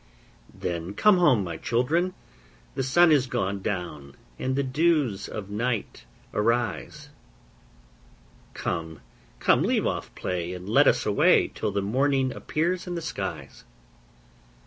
'Then come home, my children, the sun is gone down, And the dews of night arise; Come, come, leave off play, and let us away, Till the morning appears in the skies.